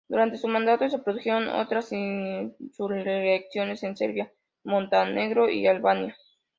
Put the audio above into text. Durante su mandato se produjeron otras insurrecciones en Serbia, Montenegro y Albania.